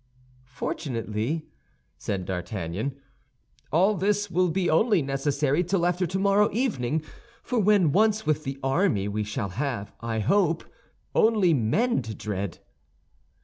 "Fortunately," said D'Artagnan, "all this will be only necessary till after tomorrow evening, for when once with the army, we shall have, I hope, only men to dread."